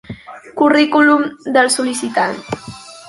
Currículum del sol·licitant.